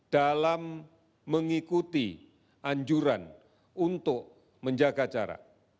dalam mengikuti anjuran untuk menjaga jarak